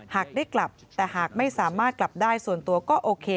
หากได้กลับแต่หากไม่สามารถกลับได้ส่วนตัวก็โอเค